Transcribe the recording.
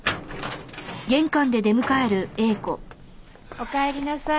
おかえりなさい。